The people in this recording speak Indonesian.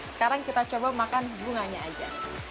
sekarang kita coba makan bunganya aja